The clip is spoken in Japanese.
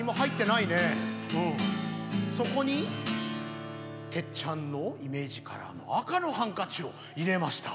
そこにテッちゃんのイメージカラーの赤のハンカチを入れました。